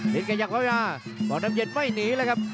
ลิสต์กระยักษ์ไว้มาบ๊องน้ำเย็นไม่หนีเลยครับ